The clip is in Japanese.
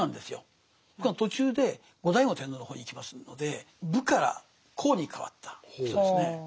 ところが途中で後醍醐天皇の方に行きますので「武」から「公」に変わった人ですね。